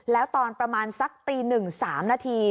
แล้วตอนประมาณสักตีหนึ่งสามนาที